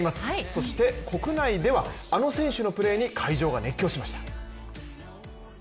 そして国内ではあの選手のプレーに会場が熱狂しました。